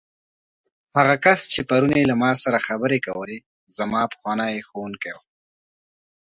هغه کس چې پرون یې له ما سره خبرې کولې، زما پخوانی ښوونکی و.